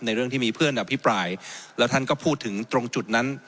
เรื่องที่มีเพื่อนอภิปรายแล้วท่านก็พูดถึงตรงจุดนั้น